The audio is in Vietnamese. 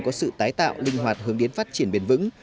có sự tái tạo linh hoạt hướng đến phát triển bền vững